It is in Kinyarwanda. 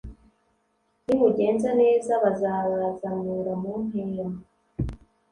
nimugenza neza bazabazamura mu ntera